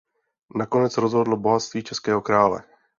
Nakonec rozhodlo bohatství českého krále.